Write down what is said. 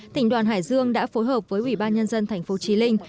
tỉnh đoàn hải dương đã phối hợp với ủy ban nhân dân thành phố trí linh